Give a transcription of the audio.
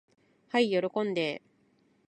はい喜んで。